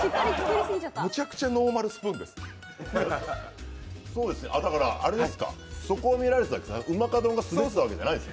むちゃくちゃノーマルスプーンです。